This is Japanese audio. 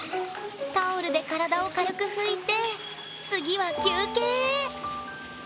タオルで体を軽く拭いて次は休憩へ！